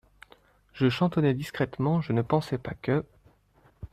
Je chantonnais discrètement, je ne pensais pas que …